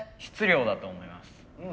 質量だと思います。